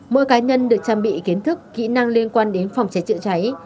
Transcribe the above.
mỗi cá nhân được trang bị kiến thức kỹ năng liên quan đến phòng cháy chữa cháy